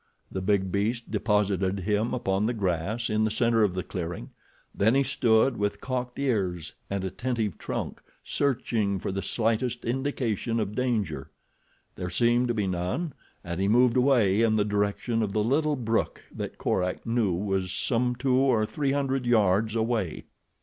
The big beast deposited him upon the grass in the center of the clearing, then he stood with cocked ears and attentive trunk, searching for the slightest indication of danger—there seemed to be none and he moved away in the direction of the little brook that Korak knew was some two or three hundred yards away.